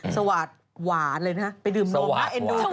สวาดหวานเลยนะฮะไปดื่มนมน่าเอ็นดู